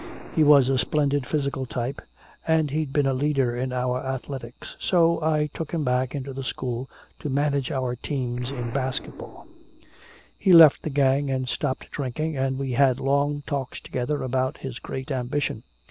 He was a splendid physical type and he'd been a leader in our athletics, so I took him back into the school to manage our teams in basket ball. He left the gang and stopped drinking, and we had long talks together about his great ambition.